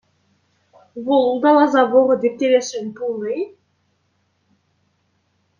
Вӑл улталаса вӑхӑт ирттересшӗн пулнӑ-и?